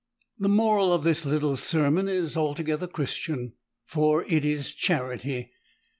The moral of this little sermon is altogether Christian, for it is charity.